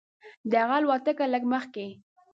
د هغه الوتکه لږ مخکې.